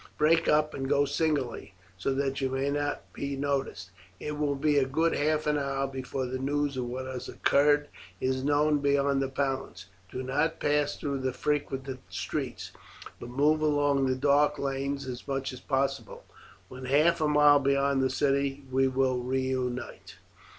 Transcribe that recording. Break up and go singly, so that you may not be noticed. It will be a good half hour before the news of what has occurred is known beyond the palace. Do not pass through the frequented streets, but move along the dark lanes as much as possible. When half a mile beyond the city we will reunite."